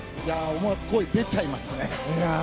思わず声が出ちゃいますね。